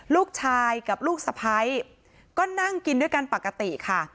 ลูกชายกับลูกสะพ้ายก็นั่งกินด้วยกันปกติค่ะ